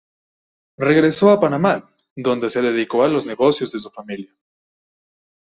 Regresó a Panamá, donde se dedicó a los negocios de su familia.